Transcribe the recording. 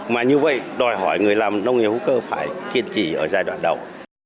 mà như vậy đòi hỏi người làm nông nghiệp hữu cơ phải kiên trì ở giai đoạn đầu